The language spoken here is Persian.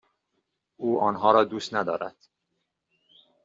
او آنها را دوست ندارد.